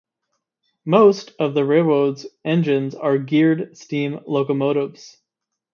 Most of the railroad's engines are geared steam locomotives.